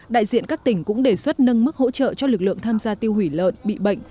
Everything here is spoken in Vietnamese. đại diện các tỉnh cũng đề xuất nâng mức hỗ trợ cho lực lượng tham gia tiêu hủy lợn bị bệnh